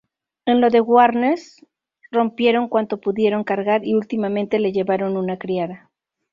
En lo de Warnes rompieron quanto pudieron cargar y últimamente le llevaron una criada.